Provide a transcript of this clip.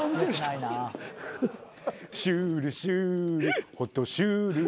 「シュールシュールホトシュール」